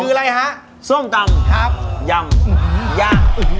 คืออะไรส้มตำยำย้ำ